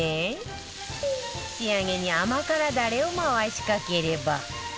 仕上げに甘辛ダレを回しかければ